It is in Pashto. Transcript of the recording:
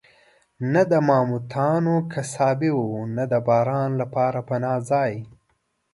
نه د ماموتانو قصابي وه، نه د باران لپاره پناه ځای.